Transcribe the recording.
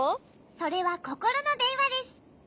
それはココロのでんわです。